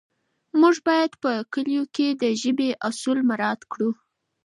موږ باید په لیکلو کې د ژبې اصول مراعت کړو